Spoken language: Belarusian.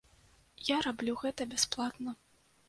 Я раблю гэта бясплатна.